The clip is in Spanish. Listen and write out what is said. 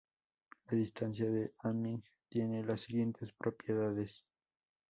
La distancia de Hamming tiene las siguientes propiedades.